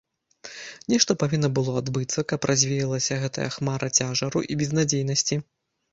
Нешта павінна было адбыцца, каб развеялася гэтая хмара цяжару і безнадзейнасці.